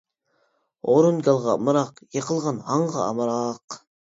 ھۇرۇن گالغا ئامراق، يېقىلغان ھاڭغا ئامراق.